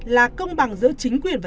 là công bằng giữa chính quyền và